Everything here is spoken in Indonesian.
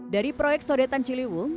dari proyek sudetan ciliwung